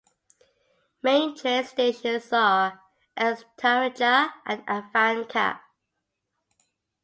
Main train stations are Estarreja and Avanca.